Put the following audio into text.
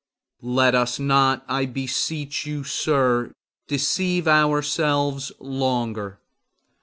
Let us not, I beseech you, sir, deceive ourselves longer.